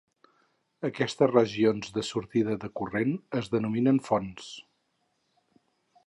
Aquestes regions de sortida de corrent es denominen fonts.